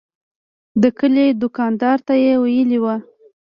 د کلي دوکاندار ته یې ویلي و.